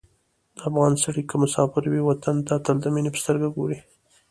د افغان سړی که مسافر وي، وطن ته تل د مینې په سترګه ګوري.